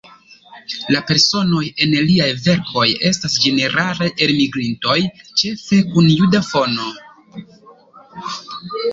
La personoj en liaj verkoj estas ĝenerale elmigrintoj, ĉefe kun juda fono.